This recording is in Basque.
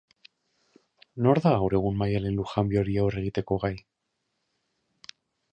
Nor da gaur egun Maialen Lujanbiori aurre egiteko gai?